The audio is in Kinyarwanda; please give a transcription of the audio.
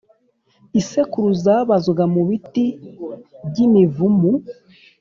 isekuru zabazwaga mu biti by’imivumu